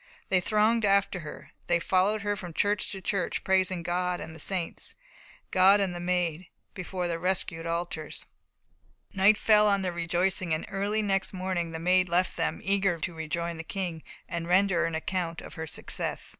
They thronged after her. They followed her from church to church, praising God and the saints, God and the Maid, before their rescued altars. Night fell on their rejoicings, and early next morning the Maid left them, eager to rejoin the King, and render an account of her success.